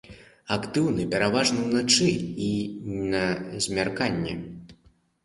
Актыўны пераважна ўначы і на змярканні.